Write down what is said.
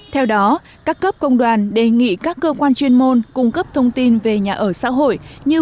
theo đó các cấp công đoàn đề nghị các cơ quan chuyên môn cung cấp thông tin về nhà ở xã hội như